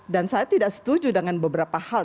dan saya tidak setuju dengan beberapa hal